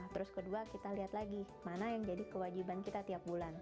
terus kedua kita lihat lagi mana yang jadi kewajiban kita tiap bulan